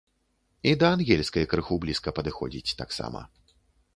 І да ангельскай крыху блізка падыходзіць таксама.